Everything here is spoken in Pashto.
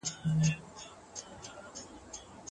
آیا کلتور زموږ په رفتار اغېز لري؟